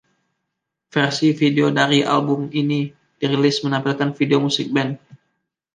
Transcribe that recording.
Versi video dari album ini dirilis menampilkan video musik band.